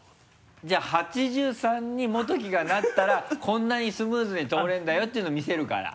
じゃあ８３にモトキがなったらこんなにスムーズに通れるんだよていうのを見せるから。